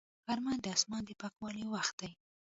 غرمه د اسمان د پاکوالي وخت دی